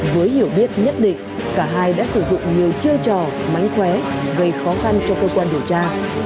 với hiểu biết nhất định cả hai đã sử dụng nhiều chiêu trò mánh khóe gây khó khăn cho cơ quan điều tra